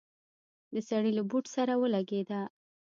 د سړي له بوټ سره ولګېده.